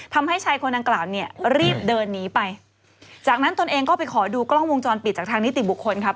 ทำให้ชายคนดังกล่าวเนี่ยรีบเดินหนีไปจากนั้นตนเองก็ไปขอดูกล้องวงจรปิดจากทางนิติบุคคลครับ